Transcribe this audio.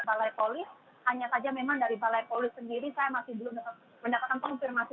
balai polis hanya saja memang dari balai polis sendiri saya masih belum mendapatkan konfirmasi